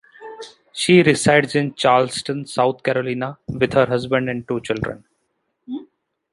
She resides in Charleston, South Carolina, with her husband and two children.